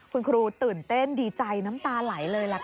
คุณครูตื่นเต้นดีใจน้ำตาไหลเลยล่ะค่ะ